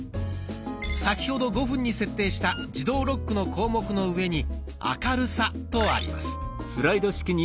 先ほど５分に設定した「自動ロック」の項目の上に「明るさ」とあります。